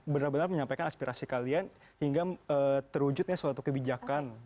benar benar menyampaikan aspirasi kalian hingga terwujudnya suatu kebijakan